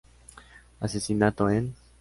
Asesinato en...